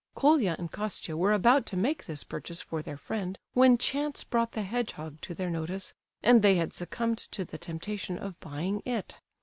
Colia and Kostia were about to make this purchase for their friend when chance brought the hedgehog to their notice, and they had succumbed to the temptation of buying it.